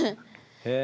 へえ。